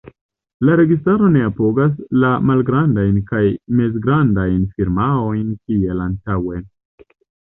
La registaro ne apogas la malgrandajn kaj mezgrandajn firmaojn kiel antaŭe.